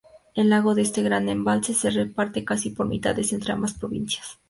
El lago de este gran embalse se reparte casi por mitades entre ambas provincias.